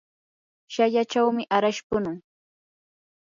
shallachawmi arash punun.